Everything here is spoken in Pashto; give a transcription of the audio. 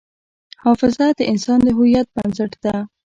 حافظه د انسان د هویت بنسټ ده.